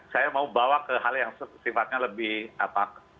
saya mau bawa ke hal yang sifatnya lebih apa